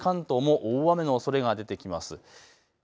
金曜日、土曜日、関東も大雨のおそれが出てきます。